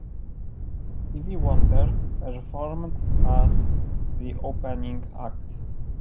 Stevie Wonder performed as the opening act.